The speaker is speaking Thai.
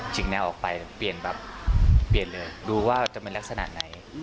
ฉีกแนวออกไปปีนแบบปีนเลยดูว่ามันแหลกสินาทห์ไหน